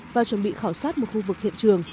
và chuẩn bị khảo sát một khu vực hiện trường